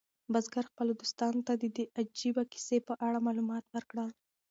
بزګر خپلو دوستانو ته د دې عجیبه کیسې په اړه معلومات ورکړل.